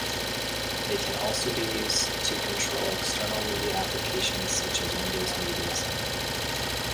They can also be used to control external applications such as Windows Media Center.